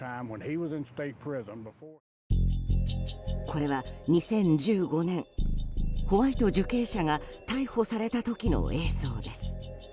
これは２０１５年ホワイト受刑者が逮捕された時の映像です。